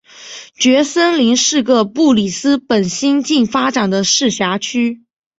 蕨森林是个布里斯本新近发展的市辖区。